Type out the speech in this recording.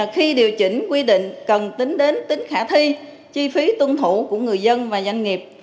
khi điều chỉnh quy định cần tính đến tính khả thi chi phí tuân thủ của người dân và doanh nghiệp